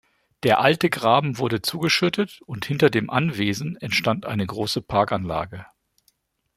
Der alte Graben wurde zugeschüttet, und hinter dem Anwesen entstand eine große Parkanlage.